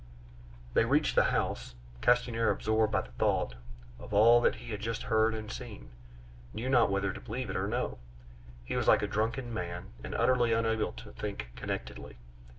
They reached the house. Castanier, absorbed by the thought of all that he had just heard and seen, knew not whether to believe it or no; he was like a drunken man, and utterly unable to think connectedly.